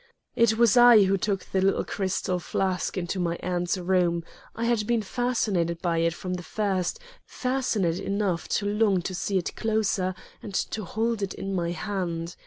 It was I who took the little crystal flask into my aunt's room. I had been fascinated by it from the first, fascinated enough to long to see it closer and to hold it in my hand.